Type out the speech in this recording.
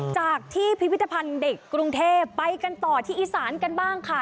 จากที่พิพิธภัณฑ์เด็กกรุงเทพไปกันต่อที่อีสานกันบ้างค่ะ